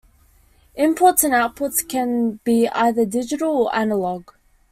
Inputs and outputs can be either digital or analog.